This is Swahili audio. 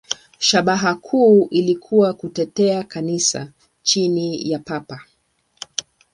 Shabaha kuu ilikuwa kutetea Kanisa chini ya Papa.